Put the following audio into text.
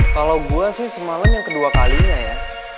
kalau gue sih semalam yang kedua kalinya ya